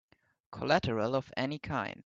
Collateral of any kind?